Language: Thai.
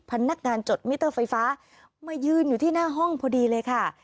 พนักงานจดมิเตอร์ไฟฟ้ามายืนอยู่ที่หน้าห้องพอดีเลยค่ะ